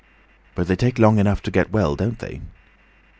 "But they take long enough to get well, don't they?